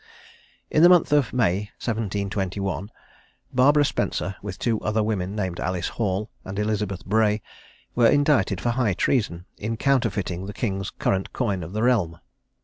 In the month of May, 1721, Barbara Spencer, with two other women, named Alice Hall, and Elizabeth Bray, were indicted for high treason, in counterfeiting the king's current coin of the realm.